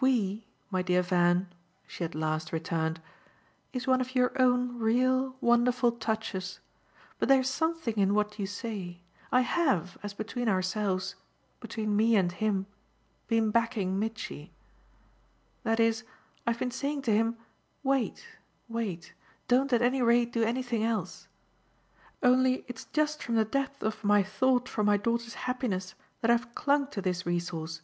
"'We,' my dear Van," she at last returned, "is one of your own real, wonderful touches. But there's something in what you say: I HAVE, as between ourselves between me and him been backing Mitchy. That is I've been saying to him 'Wait, wait: don't at any rate do anything else.' Only it's just from the depth of my thought for my daughter's happiness that I've clung to this resource.